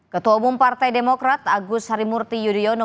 ketua umum partai demokrat agus harimurti yudhoyono